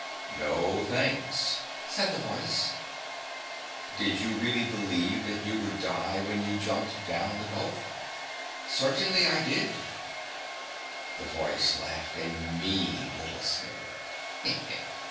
' No, thanks,' said the voice. Did you really believe that you 93 THE BOTTOM OF THE GULF would die when you jumped down the gulf ?'' Cei'tainly I did.' The voice laughed, a mean little snigger.